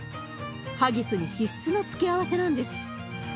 ハギスに必須の付け合わせなんです。